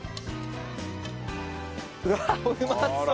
うわっうまそう！